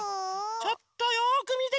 ちょっとよくみてて！